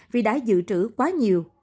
vì đã giữ trữ quá nhiều